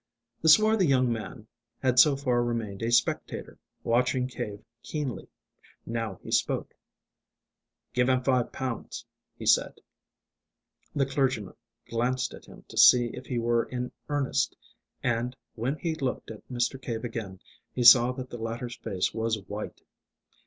The swarthy young man had so far remained a spectator, watching Cave keenly. Now he spoke. "Give him five pounds," he said. The clergyman glanced at him to see if he were in earnest, and, when he looked at Mr. Cave again, he saw that the latter's face was white.